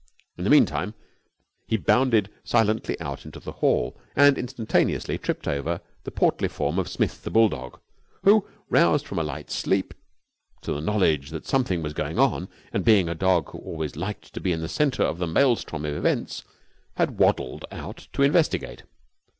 In the meantime he bounded silently out into the hall, and instantaneously tripped over the portly form of Smith, the bulldog, who, roused from a light sleep to the knowledge that something was going on, and being a dog who always liked to be in the centre of the maelstrom of events, had waddled out to investigate.